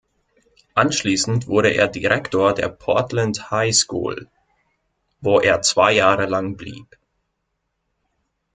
Anschließend wurde er Direktor der "Portland High School", wo er zwei Jahre lang blieb.